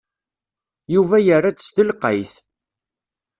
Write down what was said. Yuba yerra-d s telqayt.